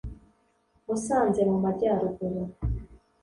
Musanze mu Majyaruguru